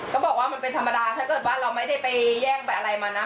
ก็บอกว่ามันเป็นธรรมดาถ้าเกิดว่าเราไม่ได้ไปแย่งไปอะไรมานะ